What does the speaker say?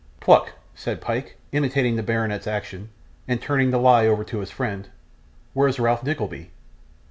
'Pluck,' said Pyke, imitating the baronet's action, and turning the lie over to his friend, 'where's Ralph Nickleby?